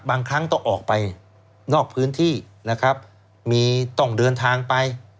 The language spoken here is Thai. บางครั้งต้องออกไปนอกพื้นที่นะครับมีต้องเดินทางไป